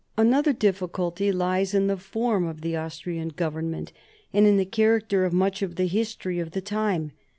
Another difficulty lies in the form of the Austrian Government, and in the character of much of the history of the time.